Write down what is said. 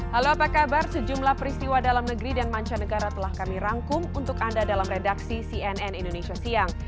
halo apa kabar sejumlah peristiwa dalam negeri dan mancanegara telah kami rangkum untuk anda dalam redaksi cnn indonesia siang